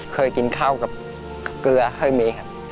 เคยกินข้าวกับเกลือเคยมีครับ